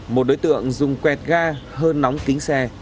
một đối tượng dùng quẹt ga hơi nóng kính xe